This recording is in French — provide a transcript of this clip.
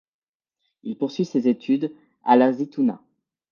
Il poursuit ses études à la Zitouna.